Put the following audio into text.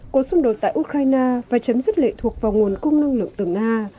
cuộc xung đột tại ukraine và chấm dứt lệ thuộc vào nguồn cung năng lượng từ nga